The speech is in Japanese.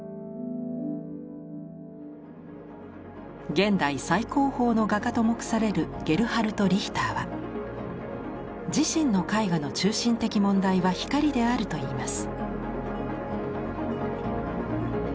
「現代最高峰の画家」と目されるゲルハルト・リヒターは「自身の絵画の中心的問題は『光』である」と言います。